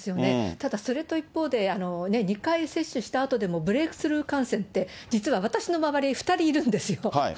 ただそれと一方で、２回接種したあとでも、ブレークスルー感染って、実は私の周り、２人いるんですよ。